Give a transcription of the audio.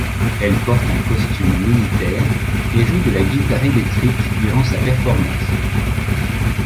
Elle porte un costume militaire et joue de la guitare électrique durant sa performance.